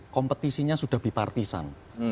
kompetisinya sudah bipartisan